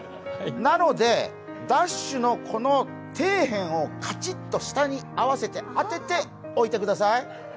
なので、ダッシュの底辺をカチッと下に合わせて当てて、置いてください。